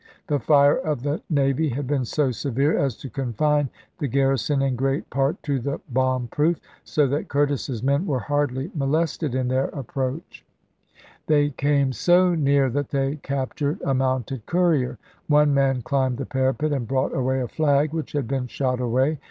The fire of the navy had been so severe as to confine the garrison in great part to the bomb proof, so that Curtis's men were hardly molested in their ap proach. They came so near that they captured a mounted courier; one man climbed the parapet and brought away a flag which had been shot away.